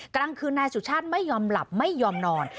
กลางคืนนายสุชาติไม่ยอมหลับไม่ยอมนอน